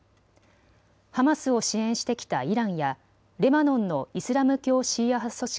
ハマスを支援してきたイランやレバノンのイスラム教シーア派組織